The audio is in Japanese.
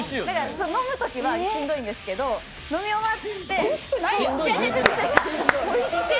飲むときはしんどいんですけど飲み終わって。